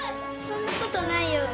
そんなことないよ。